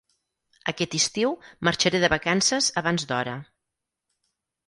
Aquest estiu marxaré de vacances abans d'hora.